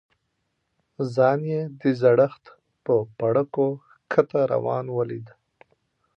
ځان یې د زړښت په پاړکو ښکته روان ولید.